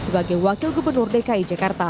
sebagai wakil gubernur dki jakarta